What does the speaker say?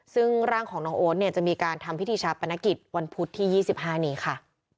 ซึ่งร่างของน้องโอ๊ตเนี่ยจะมีการทำพิธีชาปนกิจวันพุธที่๒๕นี้ค่ะ